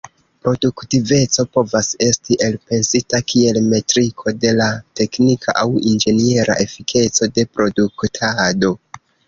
Produktiveco povas esti elpensita kiel metriko de la teknika aŭ inĝeniera efikeco de produktado.